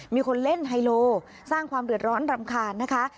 มีคนเล่นไฮโลสร้างความเดือดร้อนรำคาญนะคะ